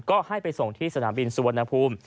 ก็ให้ไปส่งที่สนามบินสุวรรณภูมิ